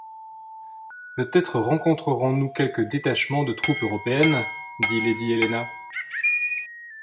Peut-être rencontrerons-nous quelque détachement de troupes européennes? dit lady Helena.